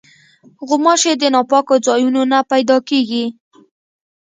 غوماشې د ناپاکو ځایونو نه پیدا کېږي.